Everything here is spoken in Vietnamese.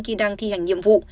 khi đang thi hành nhiệm vụ